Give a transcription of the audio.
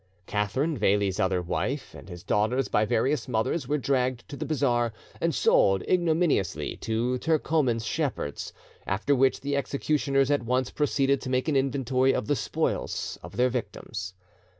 Katherin, Veli's other wife, and his daughters by various mothers, were dragged to the bazaar and sold ignominiously to Turcoman shepherds, after which the executioners at once proceeded to make an inventory of the spoils of their victims.